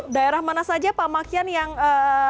daerah mana saja pak makian yang